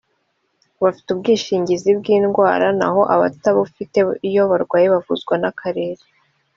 bafite ubwishingizi bw indwara naho abatabufite iyo barwaye bavuzwa n akarere